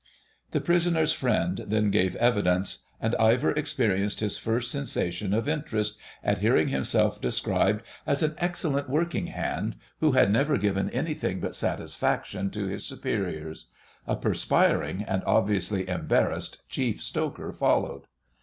The Prisoner's Friend then gave evidence, and Ivor experienced his first sensation of interest at hearing himself described as an excellent working hand, who had never given anything but satisfaction to his superiors. A perspiring and obviously embarrassed Chief Stoker followed.